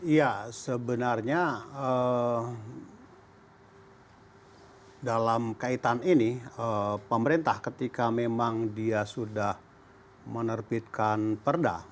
ya sebenarnya dalam kaitan ini pemerintah ketika memang dia sudah menerbitkan perda